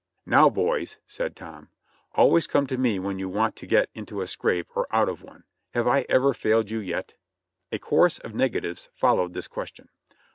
"Now, boys," said Tom, "always come to me when you want to get into a scrape or out of one. Have I ever failed you yet?" A chorus of negatives followed this question.